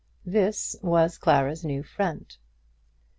This was Clara's new friend.